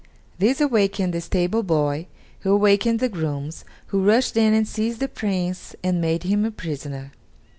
This awakened the stable boy, who awakened the grooms, who rushed in and seized the Prince and made him a prisoner.